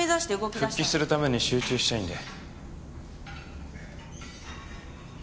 復帰するために集中したいんで。